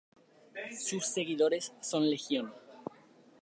Sus seguidores son legion.